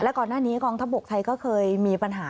ก่อนหน้านี้กองทัพบกไทยก็เคยมีปัญหา